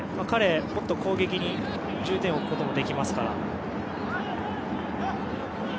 彼、もっと攻撃に重点を置くこともできますから。